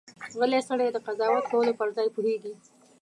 غلی سړی، د قضاوت کولو پر ځای پوهېږي.